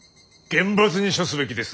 厳罰に処すべきですな。